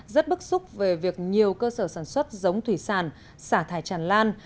rất bức xúc về việc nhiều cơ sở sản xuất giống thủy sản xả thải tràn lan